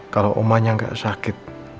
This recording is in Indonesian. kalau omahnya enggak sakit